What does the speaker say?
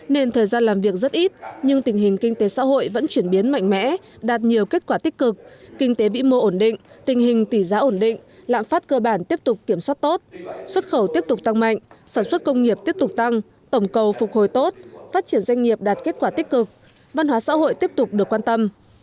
nên thời gian làm việc rất ít nhưng tình hình kinh tế xã hội vẫn chuyển biến mạnh mẽ đạt nhiều kết quả tích cực kinh tế vĩ mô ổn định tình hình tỷ giá ổn định lạm phát cơ bản tiếp tục kiểm soát tốt xuất khẩu tiếp tục tăng mạnh sản xuất công nghiệp tiếp tục tăng tổng cầu phục hồi tốt phát triển doanh nghiệp đạt kết quả tích cực văn hóa xã hội tiếp tục được quan tâm